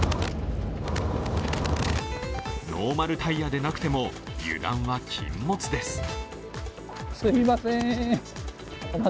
ノーマルタイヤでなくても油断は禁物です。